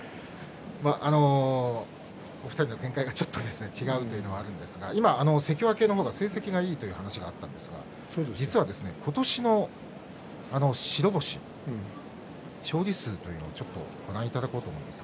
お二人の見解ではちょっと違うというのもあるんですが今関脇のほか成績がいいという話もあったんですが今年の白星、勝利数というのをご覧いただこうと思います。